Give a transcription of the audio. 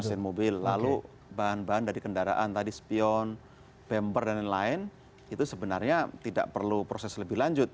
mesin mobil lalu bahan bahan dari kendaraan tadi spion bumper dan lain lain itu sebenarnya tidak perlu proses lebih lanjut